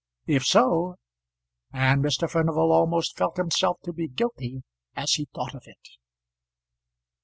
If so ; and Mr. Furnival almost felt himself to be guilty as he thought of it.